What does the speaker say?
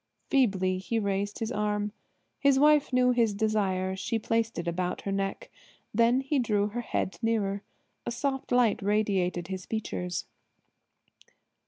Feebly he raised his arm. His wife knew his desire. She placed it about her neck. Then he drew her head nearer. A soft light radiated his features.